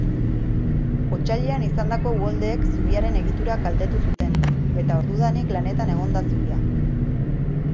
Otsailean izandako uholdeek zubiaren egitura kaltetu zuten eta ordudanik lanetan egon da zubia.